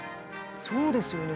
そうですよね。